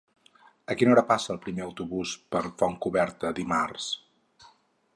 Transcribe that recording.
A quina hora passa el primer autobús per Fontcoberta dimarts?